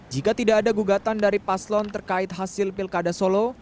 jika tidak ada gugatan dari paslon terkait hasil pilkada solo